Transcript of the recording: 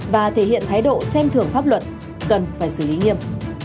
và thể hiện thái độ xem thường pháp luận cần phải xử lý nghiêm